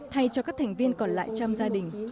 thay cho các thành viên còn lại trong gia đình